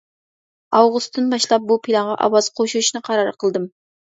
ئاۋغۇستتىن باشلاپ بۇ پىلانغا ئاۋاز قوشۇشنى قارار قىلدىم.